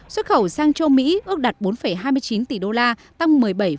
xuất khẩu sang châu mỹ ước đạt bốn hai mươi chín tỷ đô la tăng một mươi bảy